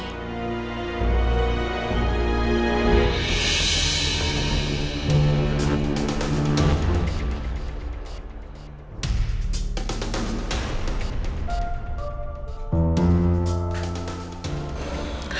aku harus bantu elsa